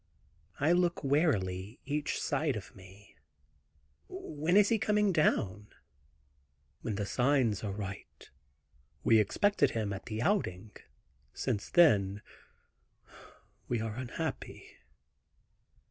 I look warily each side of me. "When is he coming down?" "When the signs are right. We expected him at the Outing; since then we are unhappy."